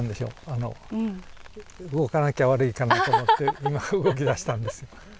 あの動かなきゃ悪いかなと思って今動きだしたんです。